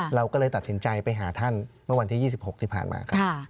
เราก็เลยตัดสินใจไปหาท่านเมื่อวันที่๒๖ที่ผ่านมาครับ